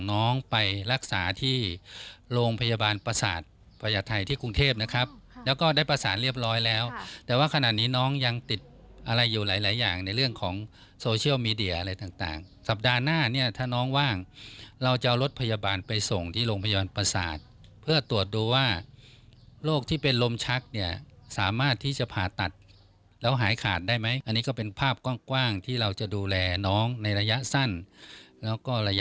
น้องไปรักษาที่โรงพยาบาลประสาทประยะไทยที่กรุงเทพนะครับแล้วก็ได้ประสานเรียบร้อยแล้วแต่ว่าขณะนี้น้องยังติดอะไรอยู่หลายอย่างในเรื่องของโซเชียลมีเดียอะไรต่างสัปดาห์หน้าเนี่ยถ้าน้องว่างเราจะเอารถพยาบาลไปส่งที่โรงพยาบาลประสาทเพื่อตรวจดูว่าโรคที่เป็นลมชักเนี่ยสามารถที่จะผ่าตัดแล้วหายข